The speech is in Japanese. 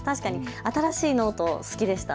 新しいノート、好きでした。